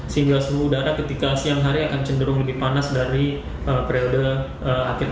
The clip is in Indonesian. sehingga suhu udara ketika siang hari akan cenderung lebih panas dari periode akhir